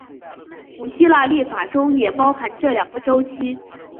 古希腊历法中也包含这两个周期。